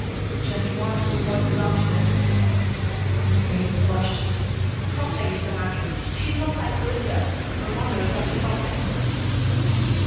"Just once before this afternoon." His face flushed. "Something is the matter. She's not like herself. Her mother's up to something."